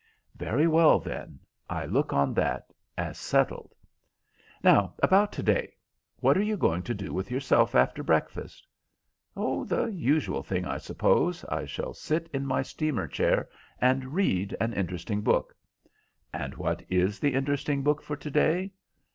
"Very well, then, I look on that as settled. Now, about to day. What are you going to do with yourself after breakfast?" "Oh, the usual thing, I suppose. I shall sit in my steamer chair and read an interesting book." "And what is the interesting book for to day?"